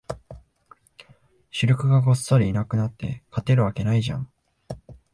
主力がごっそりいなくなって、勝てるわけないじゃん